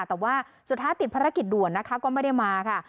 แต่ว่าสุดท้ายติดภารกิจด่วนนะคะก็ไม่ได้มาค่ะ